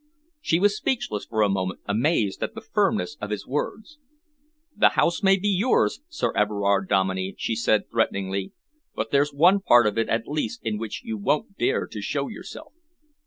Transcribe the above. She was speechless for a moment, amazed at the firmness of his words. "The house may be yours, Sir Everard Dominey," she said threateningly, "but there's one part of it at least in which you won't dare to show yourself."